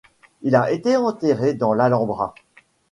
Il a été enterré dans l'Alhambra.